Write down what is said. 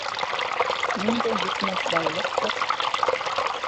Ниндәй етмәҫ байлыҡтыр.